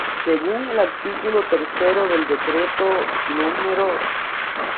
Según el artículo tercero del Decreto No.